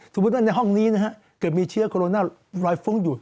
สมมุติว่าในห้องนี้นะฮะเกิดมีเชื้อโคโรนารอยฟุ้งอยู่